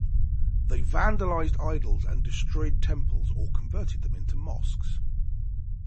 They vandalized idols and destroyed temples or converted them into mosques.